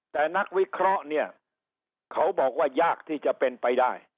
แต่นักวิเคราะห์เนี่ยเขาบอกว่ายากที่จะเป็นไปได้